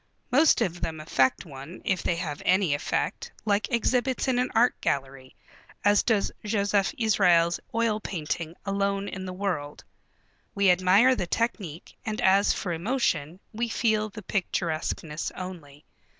Most of them affect one, if they have any effect, like exhibits in an art gallery, as does Josef Israels' oil painting, Alone in the World. We admire the technique, and as for emotion, we feel the picturesqueness only.